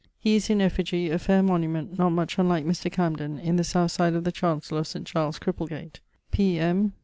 He is in effigie, a faire monument, not much unlike Mr. Camden, in the south side of the chancell of St. Giles Cripplegate. P.M.